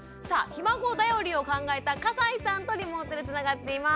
「ひ孫だより」を考えた笠井さんとリモートでつながっています。